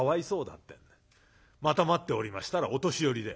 ってんでまた待っておりましたらお年寄りで。